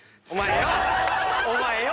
お前よ！